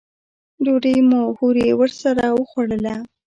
ډوډۍ مو هورې ورسره وخوړله.